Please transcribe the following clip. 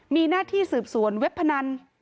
มีหน้าที่สืบสวนเว็บพนัน